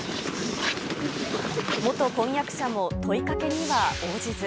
元婚約者も問いかけには応じず。